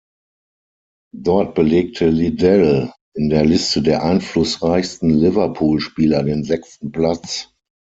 Dort belegte Liddell in der Liste der einflussreichsten Liverpool-Spieler den sechsten Platz.